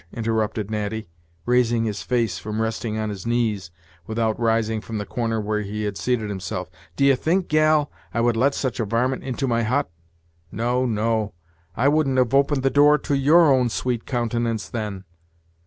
interrupted Natty, raising his face from resting on his knees, without rising from the corner where he had seated himself; "d'ye think gal, I would let such a varmint into my hut? No, no I wouldn't have opened the door to your own sweet countenance then.